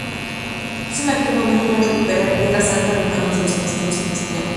Su objetivo en aquel momento era recuperar Tierra Santa de manos de los cristianos.